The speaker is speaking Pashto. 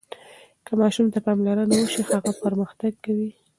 که ماشوم ته پاملرنه وشي، هغه پرمختګ کوي.